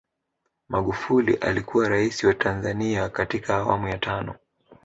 magufuli alikuwa rais wa tanzania katika awamu ya tano